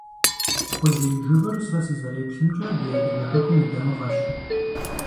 Кхъужьей жыгыр, сэ сызэреплъымкӀэ, ди адыгэ хэкум и дамыгъэщ.